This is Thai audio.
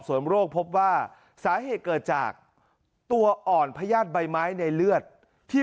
ส่วนโรคพบว่าสาเหตุเกิดจากตัวอ่อนพญาติใบไม้ในเลือดที่